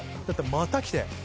また来て。